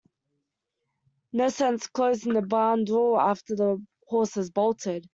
No sense closing the barn door after the horse has bolted.